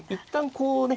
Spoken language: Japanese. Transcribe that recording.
こうね